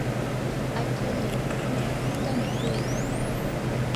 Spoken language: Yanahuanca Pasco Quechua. achallaw pushputa mikuykan.